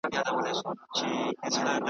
پې مخې اداګانې د ګلـــــــزار پۀ ارمان مړې شوې